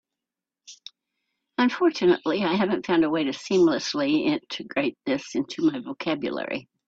Unfortunately, I haven't found a way to seamlessly integrate this into my vocabulary.